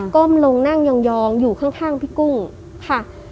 ้มลงนั่งยองอยู่ข้างพี่กุ้งค่ะ